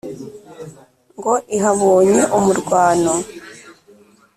ngo ihabonye umurwano.